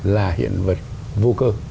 là hiện vật vô cơ